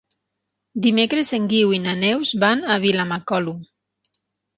Dimecres en Guiu i na Neus van a Vilamacolum.